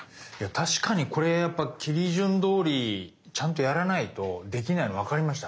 確かにこれ切り順どおりちゃんとやらないとできないの分かりました。